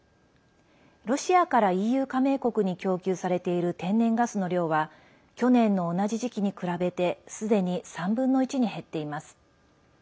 ロシアからＥＵ加盟国に供給されている天然ガスの量は去年の同じ時期に比べてすでに３分の１に減っています。